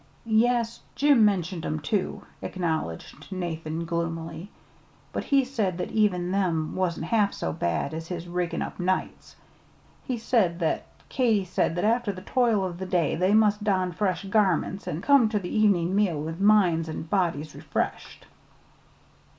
"Yes; Jim mentioned 'em, too," acknowledged Nathan gloomily. "But he said that even them wan't half so bad as his riggin' up nights. He said that Katy said that after the 'toil of the day' they must 'don fresh garments an' come ter the evenin' meal with minds an' bodies refreshed.'"